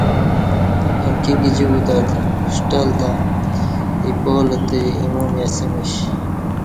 امکی گجی کوتت ݜٹل تہ ایپالہ تہ ایمومی اسہ میش